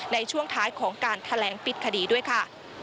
ในช่วงท้ายของการแถลงปิดคดีด้วยค่ะ